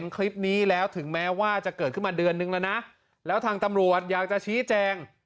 คลิปนี้แล้วถึงแม้ว่าจะเกิดขึ้นมาเดือนนึงแล้วนะแล้วทางตำรวจอยากจะชี้แจง